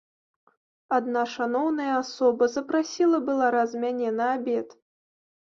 Адна шаноўная асоба запрасіла была раз мяне на абед.